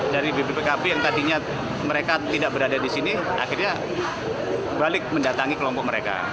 dari bppkp yang tadinya mereka tidak berada di sini akhirnya balik mendatangi kelompok mereka